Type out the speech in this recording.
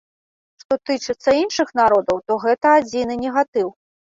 Што тычыцца іншых народаў, то гэта адзіны негатыў.